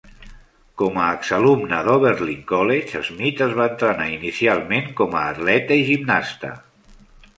Com a exalumna d'Oberlin College, Smith es va entrenar inicialment com a atleta i gimnasta.